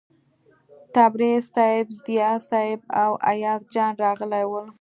تبریز صیب، ضیا صیب او ایاز جان راغلي ول.